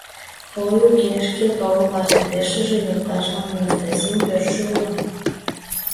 Ой, уке, шкет огыл, ваштарешыже йолташлан Настасин пӧртшӧ уло.